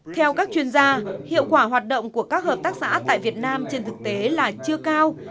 theo các chuyên gia hiệu quả hoạt động của các hợp tác xã tại việt nam trên thực tế là chưa cao